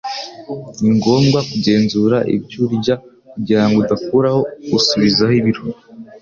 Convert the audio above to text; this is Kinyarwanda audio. ni ngombwa kugenzura ibyo urya kugira ngo udakuraho usubizaho ibiro